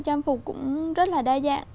trang phục cũng rất là đa dạng